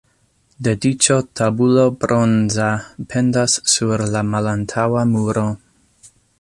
Dediĉo tabulo bronza pendas sur la malantaŭa muro.